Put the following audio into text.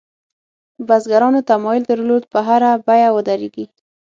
بزګرانو تمایل درلود په هره بیه ودرېږي.